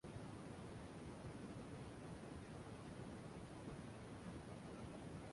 জি প্রোটিনের দুটি শ্রেণী আছে।